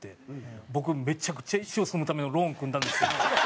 僕めちゃくちゃ一生住むためのローン組んだんですよ。